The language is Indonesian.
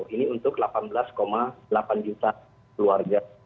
ini untuk delapan belas delapan juta keluarga